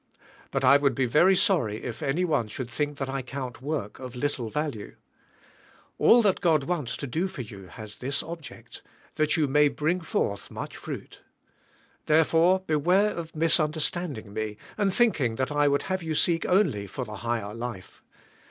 But I would be very sorry if any one should think that I count work of little value. All that God wants to do for you has this object: That you may bring" forth much fruit. Therefore, beware of misunderstanding me, and thinking that I would have you seek only for the higher life.